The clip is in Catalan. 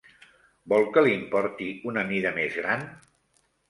Vol que li'n porti una mida més gran?